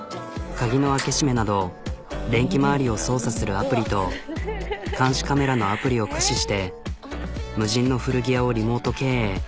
鍵の開け閉めなど電気周りを操作するアプリと監視カメラのアプリを駆使して無人の古着屋をリモート経営。